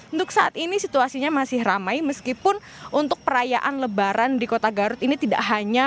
untuk saat ini situasinya masih ramai meskipun untuk perayaan lebaran di kota garut ini tidak hanya